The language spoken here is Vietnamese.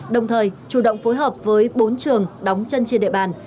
đồng thời chủ động phối hợp với bốn trường đóng chân trên đường